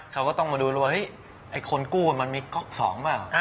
เขาก็ต้องมาดูแล้วว่าเฮ้ยไอ้คนกู้มันมีก๊อกสองเปล่า